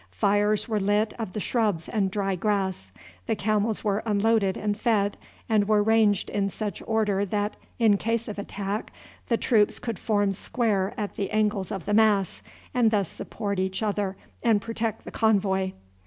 Fires were lit of the shrubs and dry grass; the camels were unloaded and fed, and were ranged in such order that in case of attack the troops could form square at the angles of the mass, and thus support each other and protect the convoy.